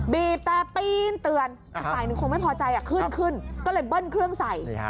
บีบแต่ปีนเตือนอีกฝ่ายหนึ่งคงไม่พอใจขึ้นขึ้นก็เลยเบิ้ลเครื่องใส่